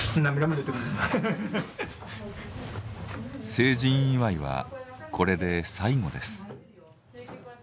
成人祝いはこれで最後です。